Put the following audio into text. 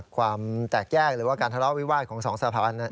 ความแตกแยกหรือว่าการทะเลาะวิวาสของสองสะพาน